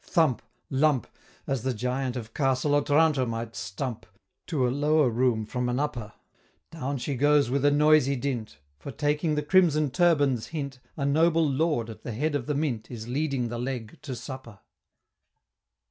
Thump, lump! As the Giant of Castle Otranto might stump, To a lower room from an upper Down she goes with a noisy dint, For, taking the crimson turban's hint, A noble Lord at the Head of the Mint Is leading the Leg to supper!